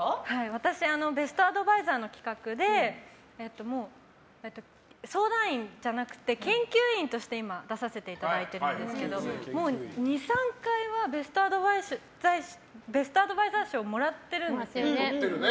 私、ベストアドバイザーの企画で相談員じゃなくて研究員として今、出させていただいてるんですがもう２３回はベストアドバイザー賞をもらっているんです。